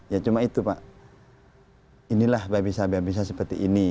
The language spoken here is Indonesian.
sama itu pak inilah bayi bayi saya seperti ini